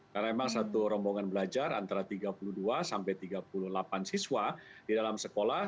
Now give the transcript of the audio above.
karena memang satu rombongan belajar antara tiga puluh dua sampai tiga puluh delapan siswa di dalam sekolah